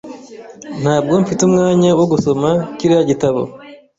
Ntabwo mfite umwanya wo gusoma kiriya gitabo.